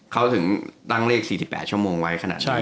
เขาถึงตั้งเลข๔๘ชั่วโมงไว้ขนาดนี้